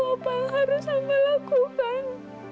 apa yang harus hamba lakukan